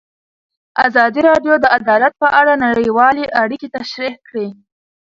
ازادي راډیو د عدالت په اړه نړیوالې اړیکې تشریح کړي.